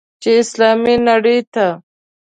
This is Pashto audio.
چې اسلامي نړۍ یې.